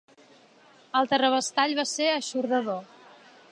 El terrabastall va ser eixordador.